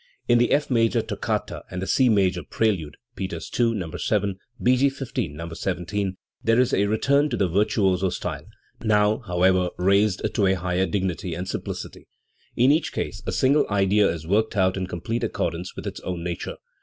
In the F major toccata and the C major prelude (Peters II, No. 7; B. G. XV, No. 17), there is a return to the virtuoso style, now, however, raised to a higher dignity and simplicity. In each case a single idea is worked out in complete accordance with its own nature.